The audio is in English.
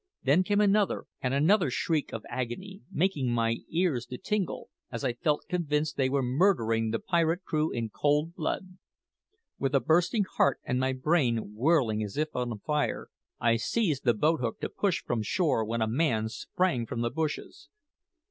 Then came another and another shriek of agony, making my ears to tingle, as I felt convinced they were murdering the pirate crew in cold blood. With a bursting heart and my brain whirling as if on fire, I seized the boat hook to push from shore when a man sprang from the bushes.